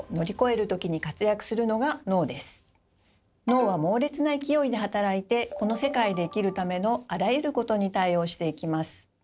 脳は猛烈な勢いで働いてこの世界で生きるためのあらゆることに対応していきます。